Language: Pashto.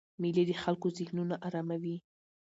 مېلې د خلکو ذهنونه آراموي.